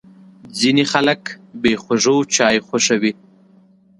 ځینې خلک بې خوږو چای خوښوي.